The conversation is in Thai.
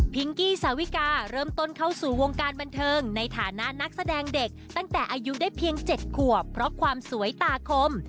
กี้สาวิกาเริ่มต้นเข้าสู่วงการบันเทิงในฐานะนักแสดงเด็กตั้งแต่อายุได้เพียง๗ขวบเพราะความสวยตาคม